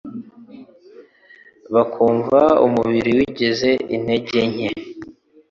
bakumva umubiri wagize intege nke,